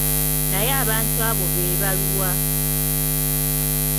Naye abantu abo be baluwa?